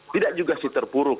tidak juga sih terpuruk